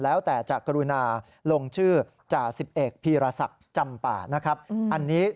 แล้วแต่จะกรุณาลงชื่อจ๑๑พีรศักดิ์จำป่า